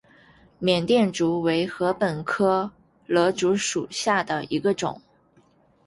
缅甸竹为禾本科簕竹属下的一个种。